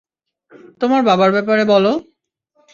তোমার বাবার ব্যাপারে বলো?